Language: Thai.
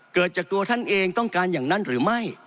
เกิดจากตัวท่านเองต้องการอย่างนั้นหรือไม่